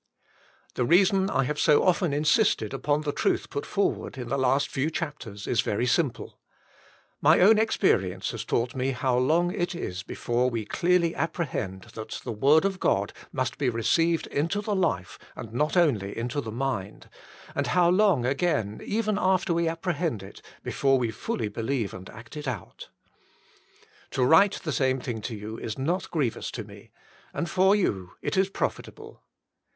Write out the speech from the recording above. The reason I have so often insisted upon the truth put forward in the last few chapters is very 94 The Inner Chamber simple. My own experience has taught me how long it is before we clearly apprehend that the word of God must be received into the life and not only into the mind, and how long again even after we apprehend it, before we fully believe and act it out. " To write the same thing to you is not grievous to me, and for you it is profitable."